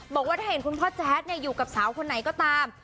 บอกว่าถ้าเห็นคุณพ่อแจ๊ดอยู่กับสาวคนไหนก็ตาม